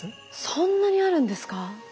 そんなにあるんですか？